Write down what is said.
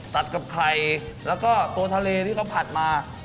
ตัดกับไข่แล้วก็ตัวทะเลที่เขาผัดมา